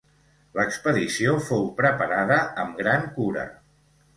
L'expedició fou preparada amb gran cura.